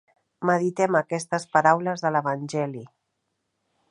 Meditem aquestes paraules de l'Evangeli.